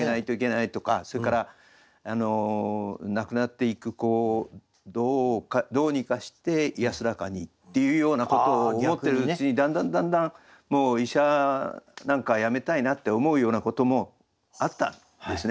それから亡くなっていく子をどうにかして安らかにっていうようなことを思ってるうちにだんだんだんだんもう医者なんかやめたいなって思うようなこともあったんですね。